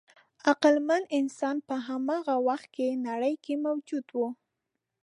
عقلمن انسان په هماغه وخت کې نړۍ کې موجود و.